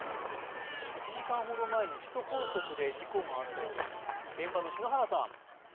１時間ほど前に首都高速で事故があったようです。